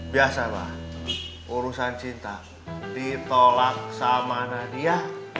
biasa pak urusan cinta ditolak sama nadia